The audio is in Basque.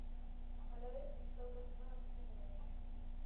Halaber, kristautasuna hasi zen hedatzen.